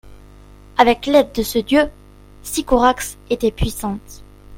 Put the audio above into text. Avec l'aide de ce dieu, Sycorax était puissante.